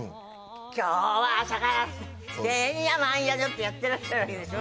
今日は朝からてんやわんやのってやってらっしゃるわけでしょ。